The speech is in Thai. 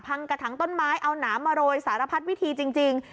พังกระทั้งต้นไม้เอาน้ำมาโรยสารพัดวิธีจริง